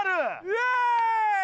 イエーイ！